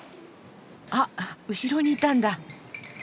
あっ後ろにいたんだ。